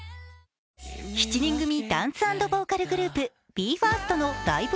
７人組ダンス＆ボーカルグループＢＥ：ＦＩＲＳＴのライブ